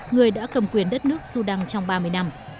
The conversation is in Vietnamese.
người đã cầm quyền đất nước sudan trong ba mươi năm